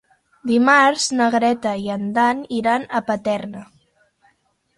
Dimarts na Greta i en Dan iran a Paterna.